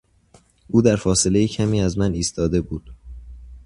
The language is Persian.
او در فاصله کمی از من ایستاده بود.